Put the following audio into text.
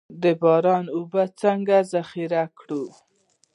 د باران اوبه څنګه ذخیره کړو؟